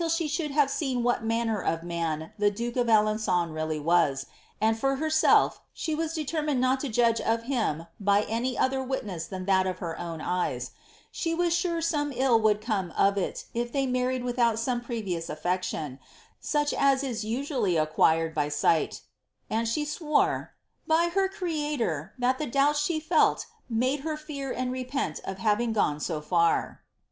tie should have seen what manner of man the duke of Aleni^nn really was; and for ber$elf, ahe was determined not to judge of him by any other wimess than that of her own eyes; she was sure some ill would come of it if they mar ried without some previous a(ti; citon, such as is usually acquireil by sight," and she swore, >' by her Creator, that the doubts she lelt made her fear and repent of having gone bo far."